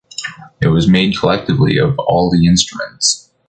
It was made collectively of all the instruments.